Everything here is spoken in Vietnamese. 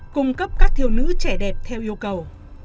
cung cấp các thiêu nữ trẻ đẹp theo yêu cầu